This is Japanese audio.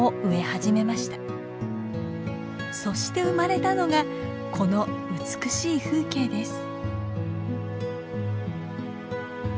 そして生まれたのがこの美しい風景です。